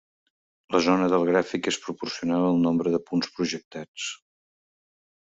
La zona del gràfic és proporcional al nombre de punts projectats.